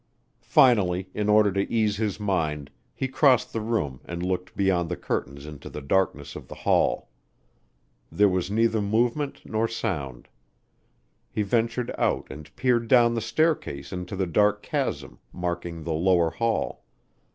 Finally, in order to ease his mind, he crossed the room and looked beyond the curtains into the darkness of the hall. There was neither movement nor sound. He ventured out and peered down the staircase into the dark chasm marking the lower hall.